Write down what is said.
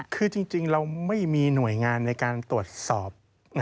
คือจริงเราไม่มีหน่วยงานในการตรวจสอบ